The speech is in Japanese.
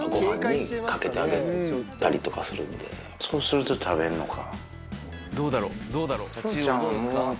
そうすると食べるのか。